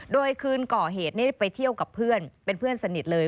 โดยคืนก่อเหตุไปเที่ยวกับเพื่อนเป็นเพื่อนสนิทเลย